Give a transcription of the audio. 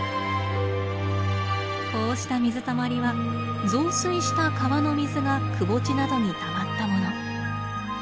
こうした水たまりは増水した川の水がくぼ地などにたまったもの。